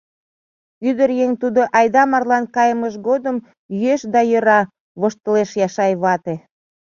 — Ӱдыр еҥ тудо айда марлан кайымыж годым йӱэш да йӧра, — воштылеш Яшай вате.